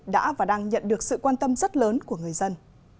đã và đang nhận được sự quan tâm rất lớn của người dân